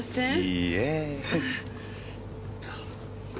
いいえ。